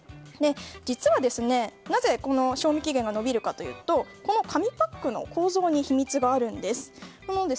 実は、なぜ賞味期限が伸びるかというとこの紙パックの構造に秘密があるんです。